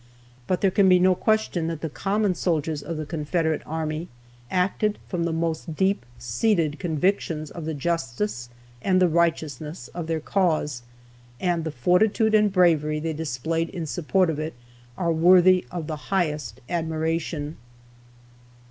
But there can be no question that the common soldiers of the Confederate army acted from the most deep seated convictions of the justice and the righteousness of their cause, and the fortitude and bravery they displayed in support of it are worthy of the highest admiration.